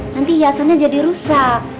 nanti hiasannya jadi rusak